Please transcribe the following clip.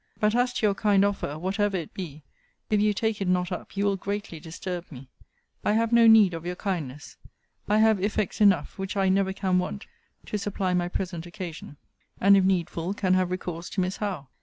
But as to your kind offer, whatever it be, if you take it not up, you will greatly disturb me. I have no need of your kindness. I have effects enough, which I never can want, to supply my present occasion: and, if needful, can have recourse to Miss Howe.